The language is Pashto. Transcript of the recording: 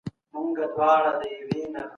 ټولنیز نظم د قانون په واسطه ساتل کیږي.